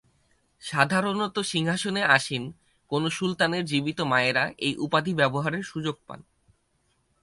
সাধারণত সিংহাসনে আসীন কোন সুলতানের জীবিত মায়েরা এই উপাধি ব্যবহারের সুযোগ পান।